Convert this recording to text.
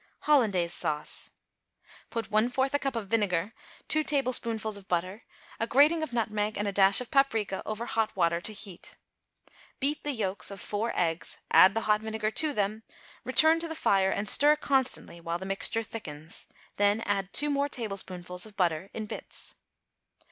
=Hollandaise Sauce.= Put one fourth a cup of vinegar, two tablespoonfuls of butter, a grating of nutmeg and a dash of paprica over hot water to heat. Beat the yolks of four eggs, add the hot vinegar to them, return to the fire, and stir constantly while the mixture thickens; then add two more tablespoonfuls of butter in bits.